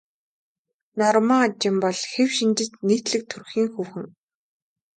Норма Жин бол хэв шинжит нийтлэг төрхийн хүүхэн.